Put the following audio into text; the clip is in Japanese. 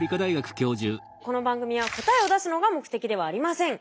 この番組は答えを出すのが目的ではありません。